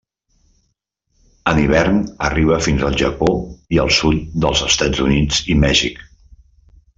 En hivern arriba fins al Japó i el sud dels Estats Units i Mèxic.